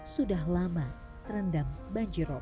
sudah lama terendam banjirom